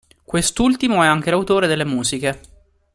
Quest'ultimo è anche l'autore delle musiche.